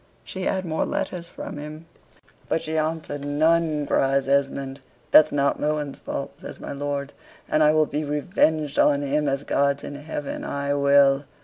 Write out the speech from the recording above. She had more letters from him." "But she answered none," cries Esmond. "That's not Mohun's fault," says my lord, "and I will be revenged on him, as God's in heaven, I will."